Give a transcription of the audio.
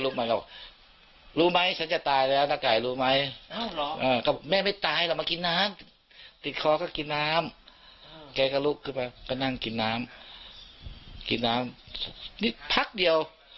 เขาก็ลุกขึ้นมาก็นั่งกินน้ำทิน้ำนิดพักเดียว